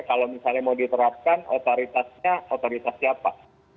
kalau misalnya mau diterapkan otoritasnya otoritas siapa